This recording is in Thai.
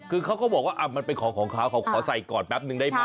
คือเขาก็บอกว่ามันเป็นของของเขาเขาขอใส่ก่อนแป๊บนึงได้ไหม